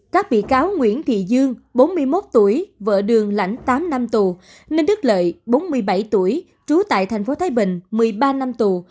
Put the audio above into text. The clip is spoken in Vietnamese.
các bị cáo nguyễn thị dương bốn mươi một tuổi vợ đường lãnh tám năm tù ninh đức lợi bốn mươi bảy tuổi trú tại tp thái bình một mươi ba năm tù